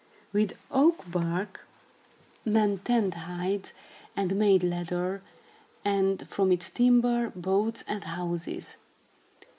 With oak bark, men tanned hides and made leather, and, from its timber, boats and houses.